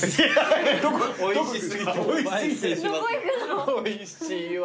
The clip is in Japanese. おいしい。